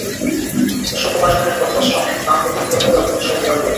সুকুমার শরীর পথশ্রমে ক্লান্ত, কিন্তু তথাপি অধ্যবসায়ের বিরাম নাই।